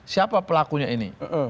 siapa pelakunya ini